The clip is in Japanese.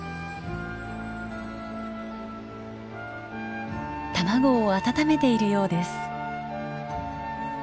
卵を温めているようです。